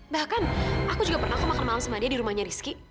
bahkan aku juga pernah ke makan malam sama dia di rumahnya rizky